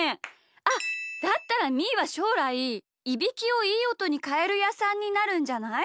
あっだったらみーはしょうらいいびきをいいおとにかえるやさんになるんじゃない？